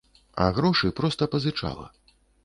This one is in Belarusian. А грошы проста пазычала.